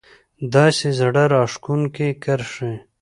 داسې زړه راښکونکې کرښې